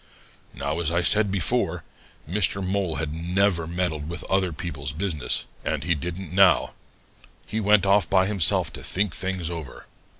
"Now, as I said before, Mr. Mole never had meddled with other people's business, and he didn't now. He went off by himself to think things over.